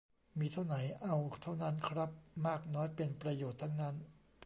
มีเท่าไหนเอาเท่านั้นครับ มากน้อยเป็นประโยชน์ทั้งนั้น